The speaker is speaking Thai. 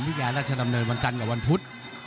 วิทยาลักษณ์ดำเนินวันจันทร์กับวันพุธ